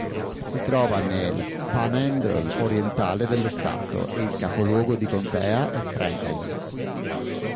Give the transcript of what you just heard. Si trova nel panhandle orientale dello stato e il capoluogo di contea è Franklin.